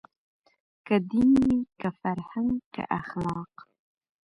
که دین وي که فرهنګ که اخلاق